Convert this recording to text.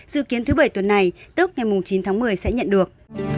dự kiến thứ bảy tuần này tức ngày chín tháng một mươi sẽ nhận được